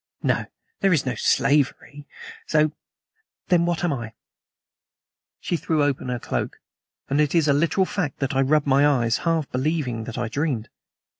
No, there is no slavery! So! Then what am I?" She threw open her cloak, and it is a literal fact that I rubbed my eyes, half believing that I dreamed.